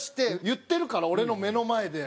言ってるから俺の目の前で。